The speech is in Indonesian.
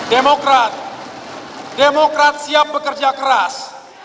demokrat demokrat siap bekerja keras